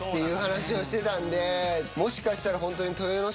もしかしたらホントに。